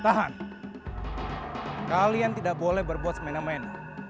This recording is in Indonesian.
tahan kalian tidak boleh berbuat semain main